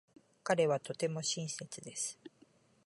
彼はとても親切です。